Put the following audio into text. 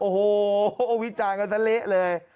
โอ้โหวิจารณ์กันซะเละเลย